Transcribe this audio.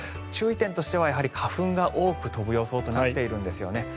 注意点としてはやはり花粉が多く飛ぶ予想となっているんですね。